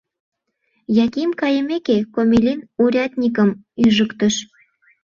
Яким кайымеке, Комелин урядникым ӱжыктыш.